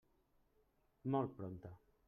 Molt prompte.